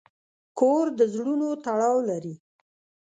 کور د زړونو تړاو لري.